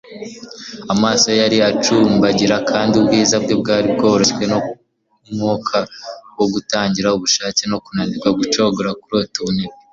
Amaso ye yari acumbagira kandi ubwiza bwe bworoshywe numwuka wo kutagira ubushake no kunanirwa gucogora kurota ubunebwe